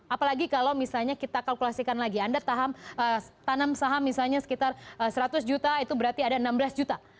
apalagi kalau misalnya kita kalkulasikan lagi anda tanam saham misalnya sekitar seratus juta itu berarti ada enam belas juta